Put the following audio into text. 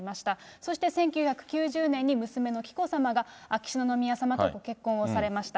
そして、１９９０年に娘の紀子さまが、秋篠宮さまとご結婚をされました。